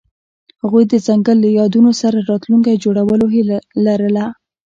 هغوی د ځنګل له یادونو سره راتلونکی جوړولو هیله لرله.